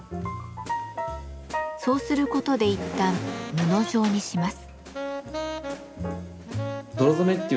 そうすることでいったん布状にします。